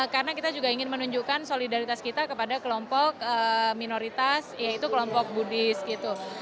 karena kita juga ingin menunjukkan solidaritas kita kepada kelompok minoritas yaitu kelompok budis gitu